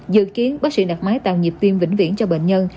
dự kiến bác sĩ đặt máy tạo nhịp tim vĩnh viễn cho bệnh nhân